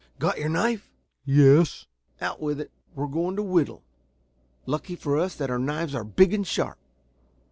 "Got your knife!" "Yes." "Out with it. We're going to whittle. Lucky for us that our knives are big and sharp.